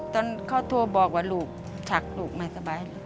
ตอนเขาโทรบอกลูกฉักไม่สบาย